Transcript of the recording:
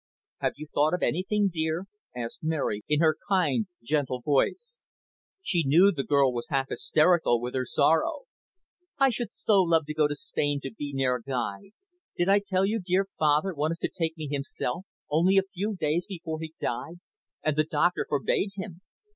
"Have you thought of anything, dear?" asked Mary in her kind, gentle voice. She knew the girl was half hysterical with her sorrow. "I should so love to go to Spain to be near Guy. Did I tell you dear father wanted to take me himself, only a few days before he died, and the doctor forbade him.